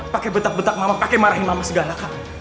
pake betak betak mama pake marahi mama segala kak